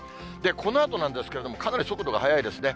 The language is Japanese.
このあとなんですけれども、かなり速度が速いですね。